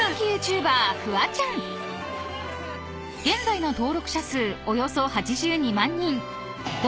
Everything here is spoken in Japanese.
［現在の］